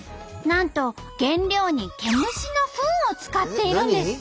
なんと原料にケムシのフンを使っているんです。